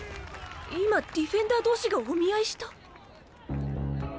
今ディフェンダー同士がお見合いした？